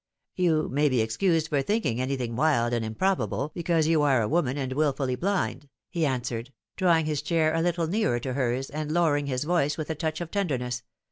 " You may be excused for thinking anything wild and im probable, because you are a woman and wilfully blind," he answered, drawing his chair a little nearer to hers, and lower ing his voice with a touch of tenderness.